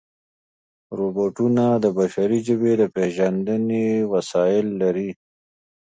روبوټونه د بشري ژبې د پېژندنې وسایل لري.